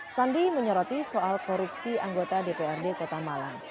sandi menyoroti soal korupsi anggota dprd kota malang